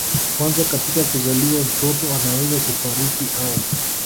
kwanza katika kuzaliwa mtoto anaweza kufariki au